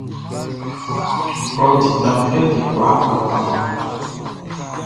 Klɔʼn ti dĩn kɛ like kwlaa kɔ kpaʼn.